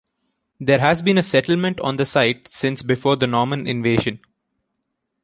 There has been a settlement on the site since before the Norman invasion.